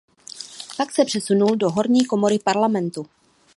Pak se přesunul do horní komory parlamentu.